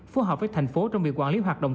phù hợp với thành phố trong việc quản lý hoạt động